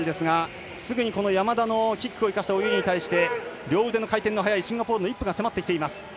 山田のキックを生かした泳ぎに対して両腕の回転の速いシンガポールのイップが迫っています。